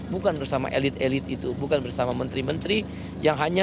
bukan bersama elit elit itu bukan bersama menteri menteri yang hanya